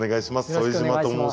副島と申します。